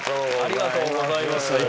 ありがとうございます。